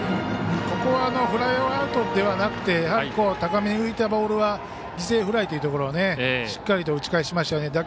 ここはフライアウトではなくて高めに浮いたボールは犠牲フライというところしっかりと打ち返しましたね。